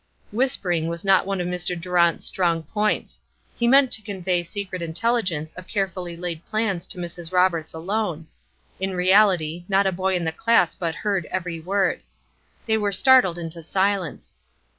Whispering was not one of Mr. Durant's strong points. He meant to convey secret intelligence of carefully laid plans to Mrs. Roberts alone. In reality not a boy in the class but heard every word. They were startled into silence.